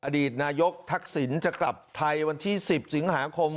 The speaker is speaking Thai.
อดีตนายกทักษิณจะกลับไทยวันที่๑๐สิงหาคม